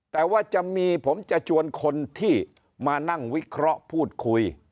แต่ว่าจะมีผมจะชวนคนที่มานั่งวิเคราะห์พูดคุย